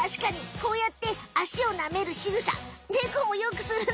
こうやってあしをなめるしぐさネコもよくするね。